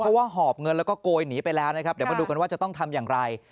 เพราะว่าหอบเงินแล้วก็โกยหนีไปแล้วนะครับเดี๋ยวมาดูกันว่าจะต้องทำอย่างไร